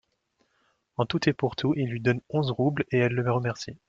En tout et pour tout, il lui donne onze roubles, et elle le remercie.